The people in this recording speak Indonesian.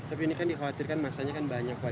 tapi ini kan dikhawatirkan masanya kan banyak pak